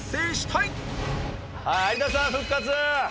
はい有田さん復活！